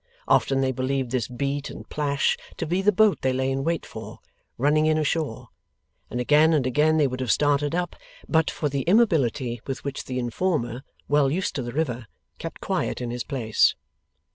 Often they believed this beat and plash to be the boat they lay in wait for, running in ashore; and again and again they would have started up, but for the immobility with which the informer, well used to the river, kept quiet in his place.